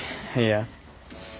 いや。